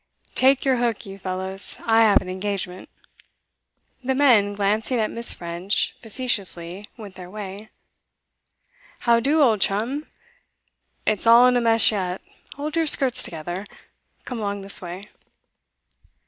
'Take your hook, you fellows; I have an engagement.' The men, glancing at Miss. French facetiously, went their way. 'How do, old chum? It's all in a mess yet; hold your skirts together. Come along this way.